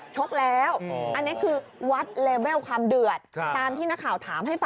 ชกแล้วอันนี้คือวัดเลเวลความเดือดตามที่นักข่าวถามให้ฟัง